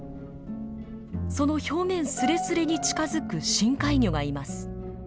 その表面すれすれに近づく深海魚がいます。